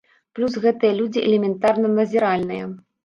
Плюс гэтыя людзі элементарна назіральныя.